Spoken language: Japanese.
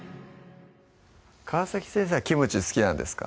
川先生はキムチ好きなんですか？